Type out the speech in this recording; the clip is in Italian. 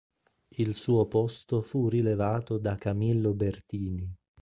Il suo posto fu rilevato da Camillo Bertini.